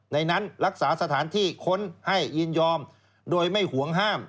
ในนั้นรักษาสถานที่ค้นให้ยินยอมโดยไม่ห่วงห้าม